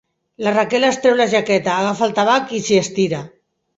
La Raquel es treu la jaqueta, agafa el tabac i s'hi estira.